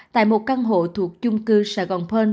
tại một căn hộ thuộc chung cư sài gòn pearl